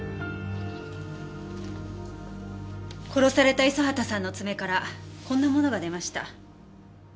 殺された五十畑さんの爪からこんなものが出ました。